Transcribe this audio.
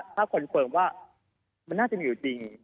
ถ้าคอนเฟิร์มว่ามันน่าจะมีอยู่จริง